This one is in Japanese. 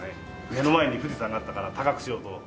目の前に富士山があったから高くしようと。